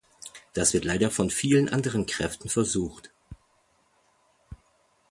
Das wird leider von vielen anderen Kräften versucht.